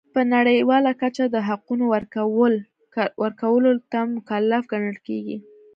په نړیواله کچه د حقونو ورکولو ته مکلف ګڼل کیږي.